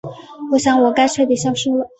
我想我该彻底消失了。